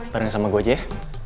bareng sama gue aja ya